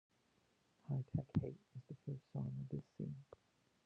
"Hi-Tech Hate" is the first song of this scene.